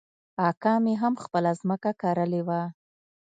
اکا مې هم خپله ځمکه کرلې وه.